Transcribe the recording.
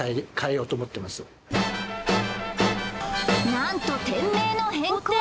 なんと店名の変更